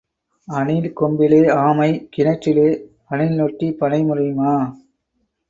அணில் கொம்பிலே ஆமை கிணற்றிலே, அணில் நொட்டிப் பனை முறியுமா?